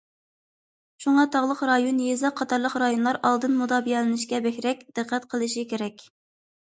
شۇڭا تاغلىق رايون، يېزا قاتارلىق رايونلار ئالدىن مۇداپىئەلىنىشكە بەكرەك دىققەت قىلىشى كېرەك.